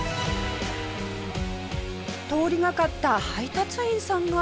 通りがかった配達員さんが。